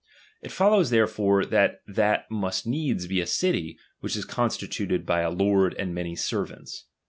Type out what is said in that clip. It follows therefore that that must needs be a city, which is constituted by a lord and many servants.